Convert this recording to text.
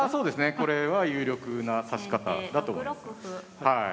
これは有力な指し方だと思いますね。